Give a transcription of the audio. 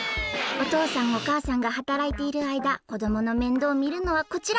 おとうさんおかあさんがはたらいているあいだこどものめんどうをみるのはこちら！